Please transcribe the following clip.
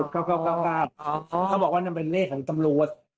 เขาบอกว่านั่นเป็นเลขของตำรวจ